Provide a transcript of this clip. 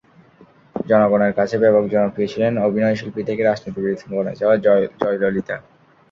জনগণের কাছে ব্যাপক জনপ্রিয় ছিলেন অভিনয়শিল্পী থেকে রাজনীতিবিদ বনে যাওয়া জয়ললিতা।